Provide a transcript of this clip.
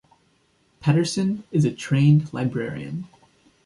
Petterson is a trained librarian.